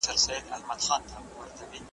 دا نبات د مینې او درناوي نښه ګڼل کېږي.